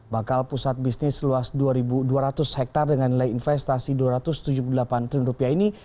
bakal pusat bisnis seluas dua dua ratus hektare dengan nilai investasi dua ratus tujuh puluh delapan triliun ini